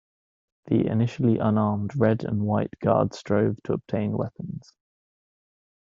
The initially unarmed Red and White Guards strove to obtain weapons.